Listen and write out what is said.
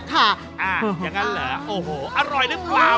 อย่างนั้นเหรอโอ้โหอร่อยหรือเปล่า